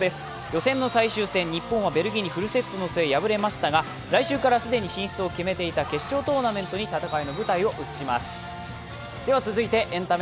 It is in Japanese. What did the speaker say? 予選の最終戦、日本はベルギーにフルセットの末敗れましたが来週から既に進出を決めていた決勝トーナメントに戦いの舞台を移します。